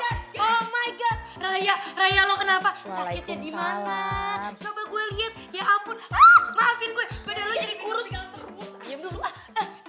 oh my god raya raya lo kenapa sakitnya di mana coba gue lihat ya ampun maafin gue